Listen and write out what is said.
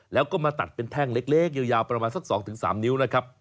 แล้วก็มาตัดเป็นแท่งเล็กยาวประมาณสัก๒๓นิ้วนะครับ